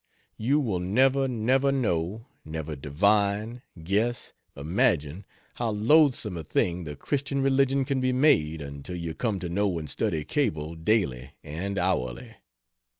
You will never, never know, never divine, guess, imagine, how loathsome a thing the Christian religion can be made until you come to know and study Cable daily and hourly.